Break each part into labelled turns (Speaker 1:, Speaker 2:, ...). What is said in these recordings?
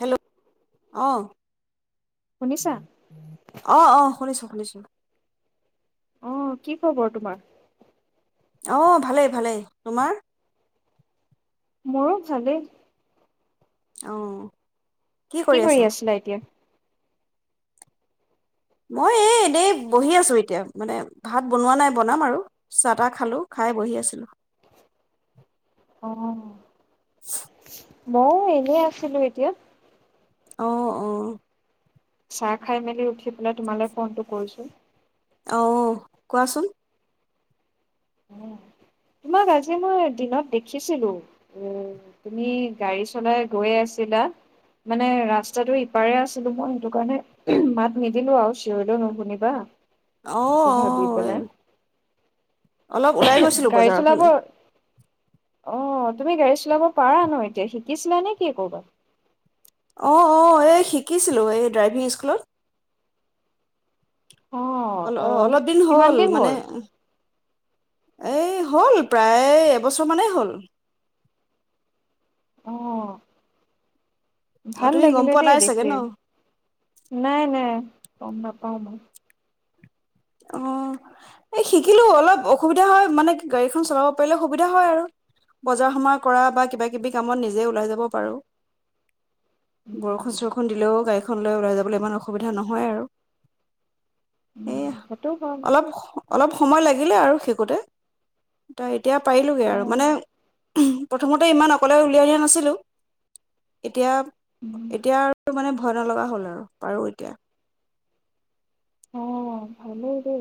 Speaker 1: Hello অ'
Speaker 2: শুনিছা?
Speaker 1: অ'অ'শুনিছো, শুনিছো।
Speaker 2: উম, কি খবৰ তোমাৰ?
Speaker 1: অ'ভালেই, ভালেই তোমাৰ?
Speaker 2: মোৰো ভালেই
Speaker 1: আহ
Speaker 2: কি কৰি আছিলা এতিয়া
Speaker 1: মই এইনেই বহি আছো এতিয়া মানে ভাত বনোৱা নাই বনাম আৰু চাহ তাহ খালো খাই বহি আছিলো
Speaker 2: অ [unintelligible] ময়ো এনেই আছিলো এতিয়া
Speaker 1: আহ অ
Speaker 2: চাহ খাই মেলি উঠি পেলাই তোমালৈ ফোনটো কৰিছো
Speaker 1: আহ কোৱাচোন
Speaker 2: তোমাক আজি মই দিনত দেখিছিলো এ তুমি গাড়ী চলাই গৈয়ে আছিলা মানে ৰাস্তাটো ইপাৰে আছিলো মই সেইটো কাৰণে মাত নিদিলো আৰু চিঞৰিলেও নুশুনিবা
Speaker 1: অ
Speaker 2: এইটো
Speaker 1: অ
Speaker 2: ভাবি পেল
Speaker 1: এই অলপ ওলাই গৈছিলো বজাৰৰ ফালে
Speaker 2: অ তুমি গাড়ী চলাব পাৰা ন এতিয়া শিকিছিলা নে কি কৰ'বাত
Speaker 1: অ অ এই শিকিছিলোঁ এই ড্ৰাইভিং স্কুলত অল অ অলপ দিন হ'ল মানে এই হ'ল প্ৰায় এবছৰ মানেই হ'ল
Speaker 2: অ
Speaker 1: অ
Speaker 2: ভাল
Speaker 1: তুমি গম
Speaker 2: লাগিলে
Speaker 1: পোৱা
Speaker 2: দেই
Speaker 1: নাই চাগে
Speaker 2: দেখি
Speaker 1: ন
Speaker 2: নাই নাই পম নাপম
Speaker 1: অ এই শিকিলো অলপ অসুবিধা হয় মানে গাড়ীখন চলাব পাৰিলে সুবিধা হয় আৰু বজাৰ সমাৰ কৰা বা কিবা কিবি কামত নিজে ওলাই যাব পাৰো
Speaker 2: উম
Speaker 1: বৰষুণ চৰষুণ দিলেও গাখন যাবলৈ ইমান অসুবিধা নহয় আৰু এইয়া
Speaker 2: উম টো কম
Speaker 1: অলপ অলপ সময় লাগিলে আৰু শেষোঁতে ত এতিয়া পাৰিলোগে
Speaker 2: অ
Speaker 1: আৰু মানে প্ৰথমতে ইমান অকলে উলিয়াই অিয়া নাছিলোঁ এতিয়া
Speaker 2: উম
Speaker 1: এতিয়া আৰু মানে হয়য় নলগা হ'ল আৰু পাৰো এতিয়া
Speaker 2: আহ ভালো দ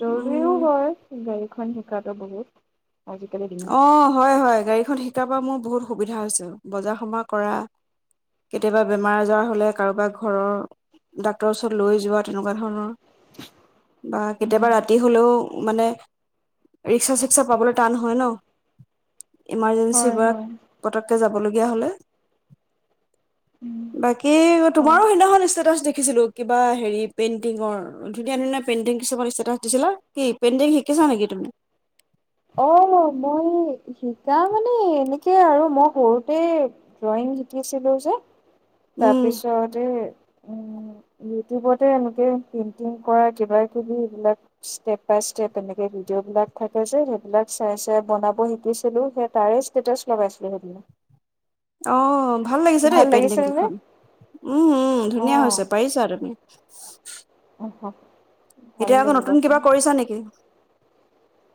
Speaker 2: জৰুৰিও
Speaker 1: উম
Speaker 2: হয়য় গাই এখন শিকাতটো বহুত আজিকালি দিনত
Speaker 1: অ হয় হয় গাড়ীখন শিকাৰ পৰা মোৰ বহুত সুবিধা হৈছে বজাৰ সমা কৰা কেতিয়াবা বেমাৰ আজাৰ হ'লে কাৰোবাক ঘৰৰ ডাক্তৰৰ ওচৰত লৈ যোৱা তেনেকুৱা ধৰণৰ বা কেতিয়াবা ৰাতি হলেও মানে ৰিক্সা, চিক্সা পাবলৈ টান হয়, ন? ইমাৰ্জেঞ্চি
Speaker 2: হয়
Speaker 1: পৰাাক
Speaker 2: হয়
Speaker 1: পতককে যাব দিয় হ'লে
Speaker 2: উম
Speaker 1: বাকী
Speaker 2: হয়
Speaker 1: তোমাৰো সেইদিনাখন ষ্টেছ দেখি শিকিছিলো কিবা হেৰি পেইণ্টিৰ ধুনীয়া ধুনীয়া পেইণ্টিং কিছুমান ষ্টেছ দিছিলা কি পেইণ্টিং শিকিছা নেকি তুমি?
Speaker 2: অ' মই শিকা মানে এনেকে আৰু মই সৰুতে ড্ৰয়িং শিকিছিলো যে।
Speaker 1: উম
Speaker 2: তাৰপিছত উম ইউটিউবতে এনেকে পেইন্টিং কৰা কিবা কিবি এইবিলাক ষ্টেপ বাই ষ্টেপ এনেকে ভিডিঅ'বলাক থাকে যে স সবিলাক চাই চাই বনাব শিকিছিলো সেই তাৰে ষ্টেটাচ লগাইছিলো সেইবিলাক।
Speaker 1: অহ। ভাল লাগিছে দেই পেইণ্টিং
Speaker 2: নে
Speaker 1: কেইখন উম উম
Speaker 2: অ
Speaker 1: ধুনীয়া হৈছে পাৰিছা তুমি।
Speaker 2: অ'।
Speaker 1: এতিয়া আকৌ নতুন কিবা কৰিছা নেকি?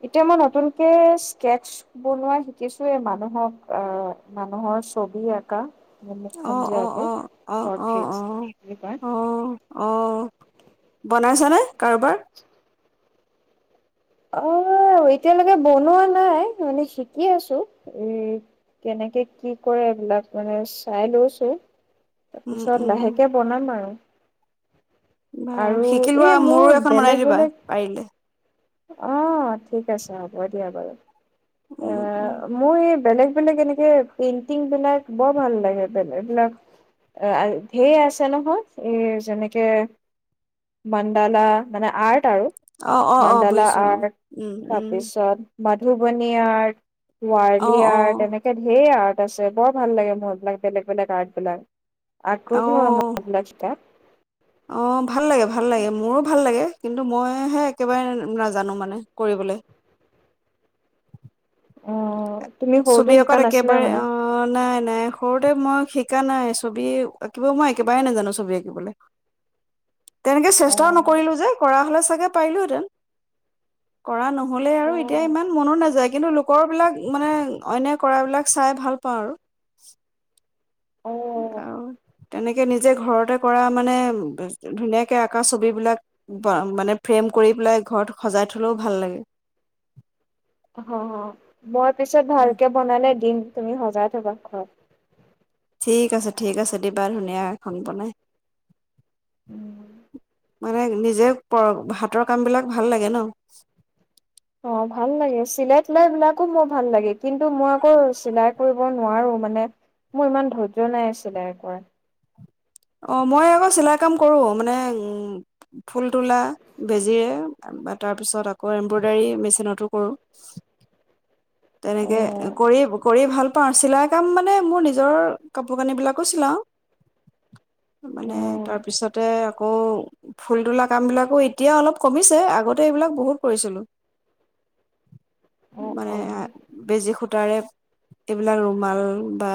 Speaker 2: এতিয়া মই নতুনকে স্কেটছ বনোৱা শিকিছো মানুহক আহ মানুহৰ ছবি আঁকা। মুখখন
Speaker 1: অ'
Speaker 2: যে
Speaker 1: অ'
Speaker 2: আঁকে
Speaker 1: অ' অ' অ'
Speaker 2: পৰ্ট্ৰেইট
Speaker 1: অ'
Speaker 2: বুলি কয়
Speaker 1: আহ আহ। জনাইছানে কাৰোবাৰ?
Speaker 2: অ' এতিয়ালৈকে বনোৱা নাই মানে শিকি আছো এ কেনেকে কি কৰে এইবিলাক মানে চাই লৈছো।
Speaker 1: উম,
Speaker 2: তাৰপিছত
Speaker 1: উম,
Speaker 2: লাহেকে বনাম আৰু
Speaker 1: বাৰু
Speaker 2: আৰু
Speaker 1: শিকিলোৱা
Speaker 2: এই মোৰ
Speaker 1: মোৰো এখন বনাই দিবা পাৰিলে।
Speaker 2: আহ, ঠিক আছে হ'ব দিয়া বাৰু।
Speaker 1: উম,
Speaker 2: অ',
Speaker 1: উম,
Speaker 2: মই এই বেলেগ বেলেগ এনেকে পেইণ্টিং বিলাক বৰ ভাল লাগে, বেলেগ এইবিলাক ঢেৰ আছে নহয়, এই যেনেকে মণ্ডালা মানে আৰ্ট আৰু
Speaker 1: অ', অ', অ',
Speaker 2: মানদালা
Speaker 1: বুজিছো অ',
Speaker 2: আৰ্ট
Speaker 1: উম, উম,
Speaker 2: তাৰপিছত মাধুবন নিআৰ্ক
Speaker 1: অ',
Speaker 2: ৱাৰলি
Speaker 1: অ',
Speaker 2: আৰ্ট, এনেকে ধেৰ আৰ্ট। আছে, বৰ ভাল লাগে মোৰ এইবিলাক বেলেগ বেলেগ আৰ্ট বিলাক। আগ্ৰহী হয় মই
Speaker 1: অ',
Speaker 2: এইবিলাক শিকাত
Speaker 1: অ', ভাল লাগে ভাল ভাল লাগে মোৰো ভাল লাগে, কিন্তু মইহে একেবাৰে নাজানো মানে কৰিবলে।
Speaker 2: অ'। তুমি সৰুতে
Speaker 1: ছবি
Speaker 2: শিকা
Speaker 1: অঁকাত
Speaker 2: নাছিলা
Speaker 1: একেবাৰে
Speaker 2: মানে?
Speaker 1: অ', নাই নাই সৰুতে মই শিকা নাই, ছবি আঁকিব মই একেবাৰে নাজানো ছবি আঁকিবলৈ। তেনেকে
Speaker 2: অ
Speaker 1: চেষ্টাও নকৰিলো যে, কৰা হলে চাগে পাৰিলোহেঁতেন কৰা নহলে আৰু এতিয়া
Speaker 2: অ
Speaker 1: ইমান মনো নাযায় কিন্তু লোকৰবিলাক মানে অন্য কৰাবিলাক চাই ভাল পাওঁ আৰু আহ তেনেকে গতিকে নিজে ঘৰতে কৰা মানে ধুনীয়াকে আঁকা ছবিবিলাক মানে ফ্ৰেম কৰি পেলাই ঘৰত সজাই থলেও ভাল লাগে
Speaker 2: অ অ মই পিছত ভালকে বনালে দিম তুমি সজাই থবা ঘৰত
Speaker 1: ঠিক আছে ঠিক আছে দিবা ধুনীয়া এখন বনাই
Speaker 2: উম
Speaker 1: মানে নিজে হাতৰ কাম বিলাক ভাল লাগে ন
Speaker 2: অ ভাল লাগে চিলাই তিলাই বিলাকো মোৰ ভাল লাগে কিন্তু মই আকৌ চিলাই কৰিব নোৱাৰো মানে মোৰ ইমান ধৈৰ্য্য নাই চিলাই কৰা
Speaker 1: অ মই আকৌ চিলাই কাম কৰো মানে ফুল তোলা বেজীৰে বা তাৰপিছত আকৌ এমব্ৰইডাৰী মেচিনতো কৰোঁ
Speaker 2: অ
Speaker 1: তেনেকে
Speaker 2: অ
Speaker 1: কৰি কৰি ভাল পা চিলাই কাম মানে মোৰ নিজৰ কাপোৰ কানিবিলাকো চিলাওঁ মানে তাৰপিছতে আকৌ ফুল তোলা কামবিলাকো এতিয়া অলপ কমিছে আগতে এইবিলাক বহুত কৰিছিলোঁ
Speaker 2: অ
Speaker 1: মানে
Speaker 2: অ হয়
Speaker 1: বেজি সূতাৰে এইবিলাক ৰুমাল বা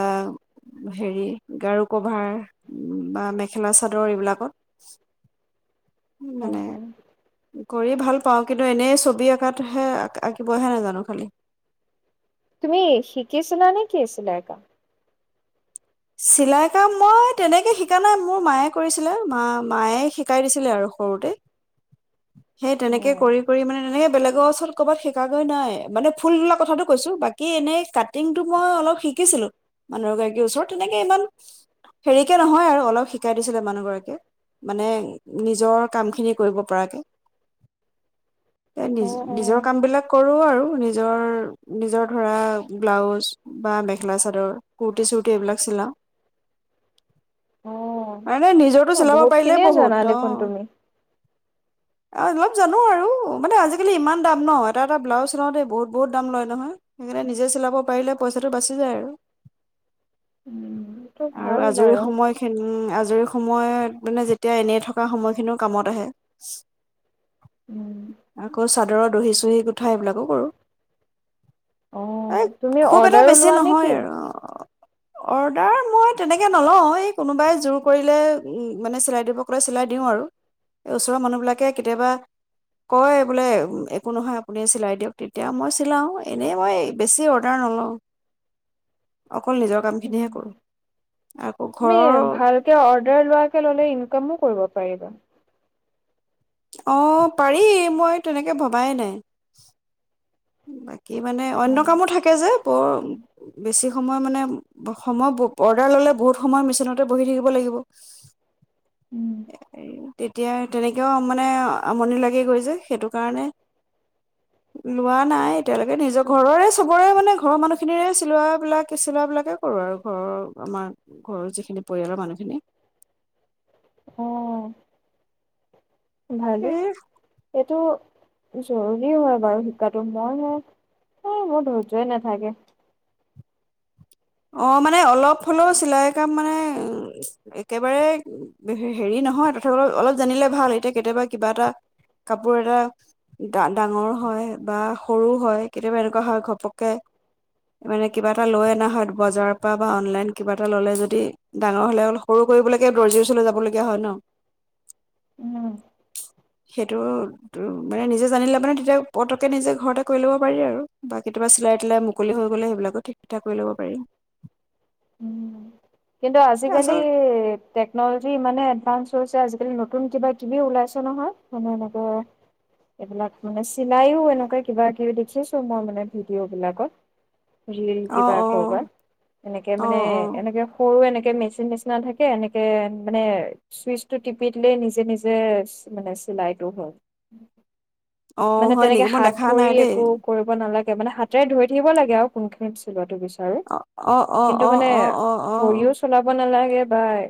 Speaker 1: হেৰি গাৰু কভাৰ বা মেখেলা চাদৰ এইবিলাকত
Speaker 2: উম
Speaker 1: মানে
Speaker 2: উম
Speaker 1: কৰি ভাল পাওঁ কিন্তু এনেই ছবি আঁকাতহে আঁকিবহে নাজানো খালি
Speaker 2: তুমি শিকিছিলানে কি চিলাই কাম
Speaker 1: চিলাই কাম মই তেনেকে শিকা নাই মোৰ মায়ে কৰিছিলে মা মায়ে শিকাই দিছিলে আৰু সৰুতে সেই
Speaker 2: অ
Speaker 1: তেনেকে কৰি কৰি মানে তেনেকে বেলেগৰ ওচৰত ক'বাত শিকাগৈ নাই মানে ফুল ধলা কথাটো কৈছো বাকী এনেই কাটিংটো মই অলপ শিকিছিলো মানুহ এগৰাকীৰ ওচৰত তেনেকে ইমান হেৰিকে নহয় আৰু অলপ শিকাই দিছিলে মানুহ গৰাকে মানে নিজৰ কাম খিনি কৰিব পৰাকে নি
Speaker 2: অ
Speaker 1: নিজৰ কাম বিলাক কৰো আৰু নিজৰ নিজৰ ধৰা ব্লাউজ বা মেখেলা চাদৰ কুৰ্টি চু কেইবিলাক চিলা
Speaker 2: অ
Speaker 1: মানে নিজৰটো
Speaker 2: অ
Speaker 1: চিলাব
Speaker 2: বহুত
Speaker 1: পাৰিলে
Speaker 2: খিনিয়ে
Speaker 1: বহুত
Speaker 2: জানা
Speaker 1: অ
Speaker 2: দেখোন তুমি।
Speaker 1: অ অলপ জানো আৰু মানে আজিকালি ইমান দাম ন এটা এটা ব্লাউজ চিলাওঁ দেই বহুত বহুত দাম লয় নহয় সেইকাৰণে নিজে চিলাব পাৰিলে পইচাটো বাচি যায় আৰু
Speaker 2: উম এইটো
Speaker 1: আৰু
Speaker 2: ভাল
Speaker 1: আজৰি
Speaker 2: বাৰু
Speaker 1: সময়খিনি আজৰি সম সময়ত মানে যেতিয়া এনে থকা সময়খিনিও কামত আহে
Speaker 2: উম
Speaker 1: অক চ ৰত দহি চহি গো কথা এইবিলাকো কৰোঁ
Speaker 2: অ
Speaker 1: এই
Speaker 2: তুমি
Speaker 1: খুব এটা
Speaker 2: অৰ্ডাৰো
Speaker 1: বেছি
Speaker 2: লোৱা নে
Speaker 1: নহয়
Speaker 2: কি?
Speaker 1: আৰু অৰ্ডাৰ মই তেনেকে নলও এই কোনোবাই জোৰ কৰিলে মানে চিলাই দিব কলে চিলাই দিওঁ আৰু এই ওচৰৰ মানুহবিলাক ত কেতিয়াবা কয় বোলে একো নহয় আপুনি চিলাই দিয়ক তেতিয়া মই চিলাওঁ এনেই মই বেছি অৰ্ডাৰ নলওঁ অ আকৌ
Speaker 2: তুমি
Speaker 1: ঘৰৰ
Speaker 2: ভালকে অৰ্ডাৰ লোৱাকে ললে ইনকামো কৰিব পাৰিব।
Speaker 1: আহ পাৰি মই তেনেকে ভবাই নাই। উম কি মানে
Speaker 2: অ
Speaker 1: অন্য কামো থাকে যে বৰ বেছি সময় মানে-সময় অৰ্ডাৰ ললে বহুত সময় মেচিনতে বহি থাকিব লাগিব।
Speaker 2: উম।
Speaker 1: তেতিয়া তেনেকৈও মানে আমনি লাগে গৈ যে সেইটো কাৰণে লোৱা নাই এতিয়ালৈকে নিজৰ ঘৰৰে সবৰে মানে ঘৰৰ মানুহখিনিৰে চিলাবিলাক চিলাবিলাকে কৰোঁ। আৰু ঘৰৰ আমাৰ ঘৰৰ যিখিনি পৰিয়ালৰ মানুহখিনি।
Speaker 2: আহ ভালে
Speaker 1: এই
Speaker 2: এইটো। জৰুৰী হয় বাৰু শিকাটো মই মোৰ ধৰ্য্য নাথাকে।
Speaker 1: অ মানে অলপ হ'লেও চিলাই কাম মানে একেবাৰে হেৰি নহয় তথাপিও অলপ জানিলে ভাল এতিয়া কেতিয়াবা কিবা এটা কাপোৰ এটা ডাঙৰ হয়। বা সৰু হয়। কেতিয়াবা এনেকুৱা হয় ঘপককে মানে কিবা এটা লৈ অনা হয়। বজাৰৰ পৰা বা অনলাইন কিবা এটা ললে যদি ডাঙৰ হলে অ সৰু কৰিবলৈকে দৰ্জিৰ ওচৰলৈ যাব লগগীয়া হয় ন
Speaker 2: উম।
Speaker 1: সেইটো মানে নিজে [unintelligible] জানিলে মানে তেতিয়া পতকে নিজে ঘৰতে কৰি লব পাৰি আৰু। বা কেতিয়াবা চিলাই লাই মুকলি হৈ গলে সেইবিলাকো ঠিকাক কৰি ল'ব পাৰি।
Speaker 2: উম। কিন্তু আজিকালি
Speaker 1: আচল
Speaker 2: টেকনলজি ইমানে এডভানস আজিকালি নতুন কিবা কিবি ওলাইছে নহয়। মানে এনেকুৱা এইবিলাক মানে চিলাইও এনেকুৱে কিবা কিবি দেখিছোঁ মই মানে ভিডিঅ'বিলাকত। ৰীল
Speaker 1: অ
Speaker 2: কিবা
Speaker 1: অ
Speaker 2: কৰবাত এনেকে
Speaker 1: অ
Speaker 2: মানে
Speaker 1: অ
Speaker 2: এনেকে সৰু এনেকে মেচিন নিচিনা থাকে। এনেকে মানে চুইচটো টিপি দিলেই নিজে নিজে মানে চিলাইটো হ'ল।
Speaker 1: অ',
Speaker 2: মানে
Speaker 1: হয়
Speaker 2: তেনেকে
Speaker 1: নেকি? মই
Speaker 2: হাত
Speaker 1: দেখা
Speaker 2: ভৰি
Speaker 1: নাই দেই।
Speaker 2: একো কৰিব নালাগে। মানে হাতে ধৰি থাকিব লাগে আৰু কোনখনিনি চিলত বিচাৰো
Speaker 1: অ', অ', অ',
Speaker 2: কিন্তু
Speaker 1: অ',
Speaker 2: মানে
Speaker 1: অ', অ', অ',
Speaker 2: ভৰিও চলাব নালাগে। সেই বাই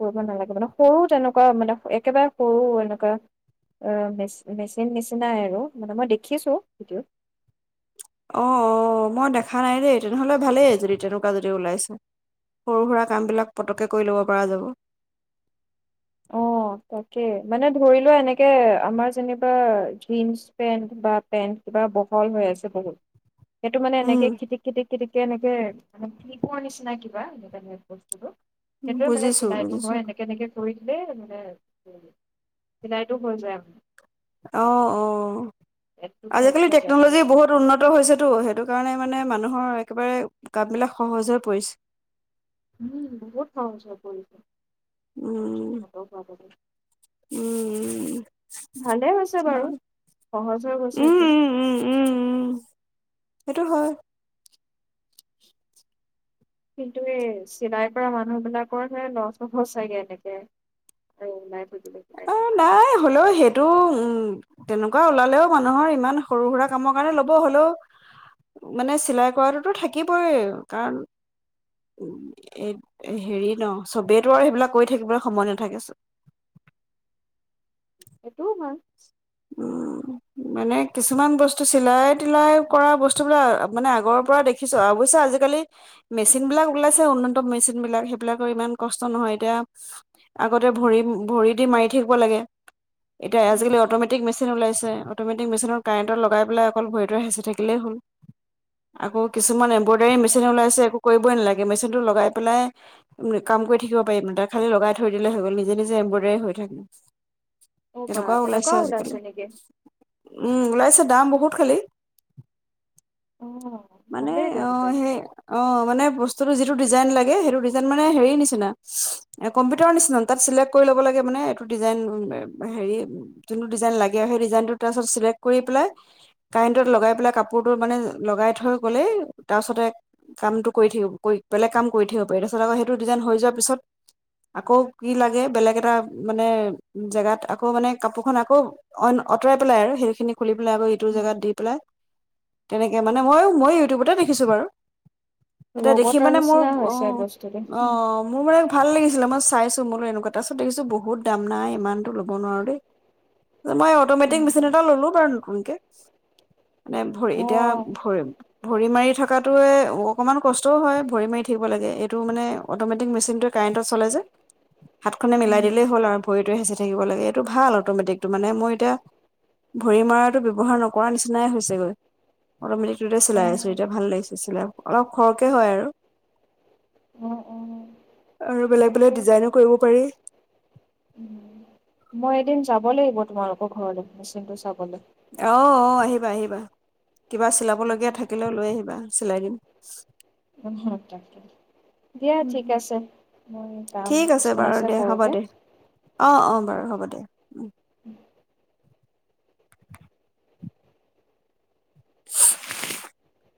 Speaker 2: কৰিব নালাগে। মানে সৰু তেনেকুৱা মানে একেবাৰে সৰু এনেকুৱা মেচিন নিচিনাই আৰু মানে মই দেখিছোঁ ভিডিঅ'।
Speaker 1: অ, 'অ, ' মই দেখা নাই দেই। তেনেহলে ভালেই যদি তেনেকুৱা যদি ওলাইছে। সৰু সুৰা কাম বিলাক পতকে কৰি ল'ব পৰা যাব।
Speaker 2: অ, তাকে মানে ধৰি লোৱা এনেকে আমাৰ যেনিবা জিন্চ পেণ্ট বা পেণ্ট কিবা বহল হৈ আছে বহুত। সেইটো মানে
Speaker 1: উম,
Speaker 2: এনেকে খিতিক খিতিক খিতিক এনেকে, প নিচিনা কিবা সনেকে বস্তুটো সেইটয়ে মানে
Speaker 1: বুজিছো
Speaker 2: চিলাইটো
Speaker 1: বুজিছো।
Speaker 2: হয় এনেকে, এনেকে কৰি। দেই মানে চিলাইতটো হৈ যায় মানে।
Speaker 1: অ, 'অ।
Speaker 2: পেটটো ঠেক
Speaker 1: আজিকালি
Speaker 2: হৈ যায়
Speaker 1: টেকনলজি
Speaker 2: তেনেকে
Speaker 1: বহুত উন্নত হৈছেতো সেইটো কাৰণে মানে মানুহৰ একেবাৰে কাম মানে সহজ হৈ পৰিছে।
Speaker 2: উম, বহুত সহজ হৈ পৰিছে। মজি
Speaker 1: উম,
Speaker 2: ব ভ [inaudible]
Speaker 1: উম,
Speaker 2: [unintelligible] ভালেই হৈছে বাৰু সহজ হৈ
Speaker 1: উম,
Speaker 2: গৈছে
Speaker 1: উম,
Speaker 2: এইটো।
Speaker 1: উম, উম, উম, উম, সেইটো হয়
Speaker 2: কিন্তু এই চিলাই কৰা মানুহ বিলাকৰ হে লছ হ'ব চাগে এনেকে আৰু লাই
Speaker 1: অ নাই হ'লেও সেইটো উম', তেনেকুৱা ওলালেও মানুহৰ ইমান সৰু সুৰা কামৰ কাৰণে ল'ব হ'লেও, মানে চিলাই কৰাটোতো থাকিবই, কাৰণ উম এ হেৰি ন চবেইতো আৰু সেইবিলাক কৰি থাকিবলৈ সময় নাথাকে চ
Speaker 2: এইটো হয়
Speaker 1: উম', মানে কিছুমান বস্তু চিলাই তিলাই কৰা বস্তুবিলাক মানে আগৰ পৰা দেখিছো, অৱশ্যে আজিকালি মেচিন বিলাক ওলাইছে উন্নতম মেচিন বিলাক, সেইবিলাকৰ ইমান কষ্ট নহয় এতিয়া আগতে ভৰি, ভৰি দি মাৰি থাকিব লাগে তে
Speaker 2: উম,
Speaker 1: আজিকালি অট'মেটিক মেচিন ওলাইছে তে অট'মেটিক মেচিনৰ কাৰেণ্টত লগাই পেলাই অকল ভৰিটোৱে হেচি থাকিলেই হ'ল, আকৌ কিছুমান বৰ্ডাৰী মেচিন
Speaker 2: সেয়াই।
Speaker 1: ওলাইছে একো কৰিবই নালাগে সেই মেচিনটো লগাই পেলাই, উম, কাম কৰি থাকিব পাৰিম, তাত খালি লগাই থৈ দিলে হৈ গ'ল নিজে নিজে এম্ব্ৰইডাৰী হৈ থাকে
Speaker 2: অ' বা
Speaker 1: তেনেকুৱাও ওলাইছে আজিকালি,
Speaker 2: নেকি?
Speaker 1: উম, ওলাইছে দাম বহুত খালী।
Speaker 2: অ'
Speaker 1: মানে,
Speaker 2: ভালেই তেন্তে।
Speaker 1: অ', সেই অ', মানে বস্তু [unintelligible] ছতো যিটো ডিজাইন লাগে, সেইটো ডিজাইন মানে হেৰি নিচিনা কম্পিউটাৰৰ নিচিনা, তাত চিলেক্ট কৰি ল'ব লাগে মানে এইটো ডিজাইন হেৰি যোনটো ডিজাইন লাগে আৰু সেই ডিজাইনটো তাৰপিছত চিলেক্ট কৰি পেলাই কাৰেণ্টত লগাই পেলাই কাপোৰটো মানে লগাই থৈ হৈ গ'লেই তাৰপিছতে কামটো কৰি থাকিব কৰি বেলেগ কাম কৰি থাকিব পাৰি, তাৰপিছত আকৌ সেইটো ডিজাইন হৈ যোৱাৰ পিছত আকৌ কি লাগে বেলেগ এটা মানে জেগাত আকৌ মানে কাপোৰ খন আকৌ আঁতৰাই পেলাই আৰু সেইখিনি খুলি পেলাই আকৌ ইটো জেগাত দি পেলাই তেনেকে মানে ময়ো মই ইউটিউবতে দেখিছোঁ বাৰু। এতিয়া দেখি
Speaker 2: ৰবটৰ
Speaker 1: মানে মোৰ
Speaker 2: নিচিনা
Speaker 1: অ,
Speaker 2: হৈছে বস্তুটো।
Speaker 1: অঁ মোৰ মানে ভাল লাগিছিলে মই চাইছো মোৰো এনেকুৱা, তাৰপিছত দেখিছো বহুত দাম নাই ইমানতো ল'ব নোৱাৰো দেই। মই অট'মেটিক মেচিন এটা ললো বাৰু নতুনকে। মানে ভৰি,
Speaker 2: অ'
Speaker 1: এতিয়া [unintelligible] ভৰি মাৰি থকাটোৱে অকণমান কষ্টও হয় ভৰি মাৰি থাকিব লাগে, এইটো মানে অট'মেটিক মেচিনটোৱে কাৰেণ্টত চলে যে। হাতখনে মিলাই
Speaker 2: উম,
Speaker 1: দিলেই হ'ল আৰু ভৰিটো হেঁচি থাকিব লাগে, এইটো ভাল অট'মেটিকটো মানে মই এতিয়া ভৰি মৰাটো ব্যৱহাৰ নকৰাৰ নিচিনাই হৈছেগৈ। মেচিনটোতে‌ চিলাই আছো
Speaker 2: অ'
Speaker 1: এতিয়া ভাল লাগিছে চিলাই, অলপ খৰকে হয় আৰু,
Speaker 2: অ' অ'
Speaker 1: আৰু বেলেগ বেলেগ
Speaker 2: তাকে।
Speaker 1: ডিজাইনো কৰিব পাৰি
Speaker 2: মই এদিন যা যাব লাগিব, তোমালোকৰ ঘৰলে মেচিন টো চাবলে।
Speaker 1: অ', অ', আহিবা আহিবা। কিবা চিলাবলগীয়া থাকিলেও লৈ আহিবা। চিলাই দিম।
Speaker 2: [unintelligible] দিয়া
Speaker 1: উম',
Speaker 2: ঠিক
Speaker 1: উম,
Speaker 2: আছে মই কাম
Speaker 1: ঠিক আছে
Speaker 2: কিছুমান
Speaker 1: বাৰু দে, হ'ব
Speaker 2: কৰোগে
Speaker 1: দে, অ', অ', বাৰু হ'ব দে, উম। [unintelligible]